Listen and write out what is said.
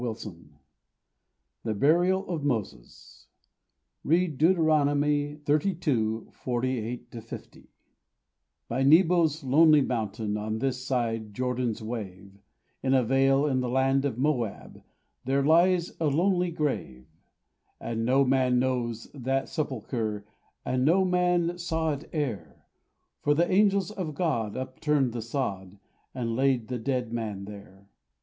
Hooper THE BURIAL OF MOSES (Read Deuteronomy, XXXII. 48 50) By Nebo's lonely mountain, On this side Jordan's wave, In a vale in the land of Moab, There lies a lonely grave; And no man knows that sepulchre, And no man saw it e'er; For the angels of God upturned the sod, And laid the dead man there.